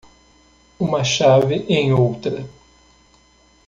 Uma chave em outra.